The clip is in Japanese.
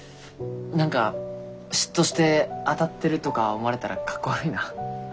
何か嫉妬して当たってるとか思われたらかっこ悪いな。